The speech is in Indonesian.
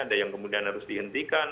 ada yang kemudian harus dihentikan